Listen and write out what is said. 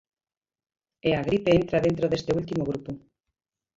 E a gripe entra dentro deste último grupo.